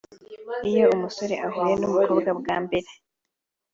Iyo umusore ahuye n’umukobwa bwa mbere